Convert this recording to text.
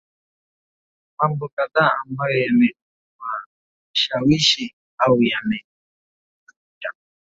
mambo kadhaa ambayo yamewashawishi au yamewavuta